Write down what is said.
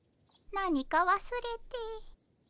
何かわすれて。